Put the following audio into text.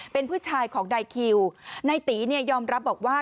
เป็นผู้ชายของนายคิวนายตีเนี่ยยอมรับบอกว่า